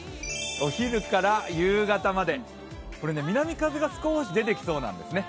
お昼から夕方まで、これ南風が少し出てきそうなんですね。